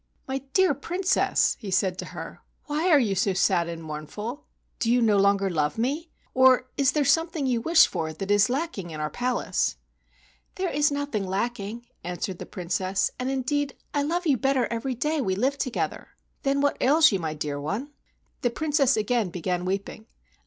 "My dear Princess," he said to her, "why are you so sad and mournful ? Do you no longer love me ? Or is there something you wish for that is lacking in our palace ?" "There is nothing lacking," answered the Princess, "and indeed I love you better every day we live together." "Then what ails you, my dear one ?" The Princess again began weeping.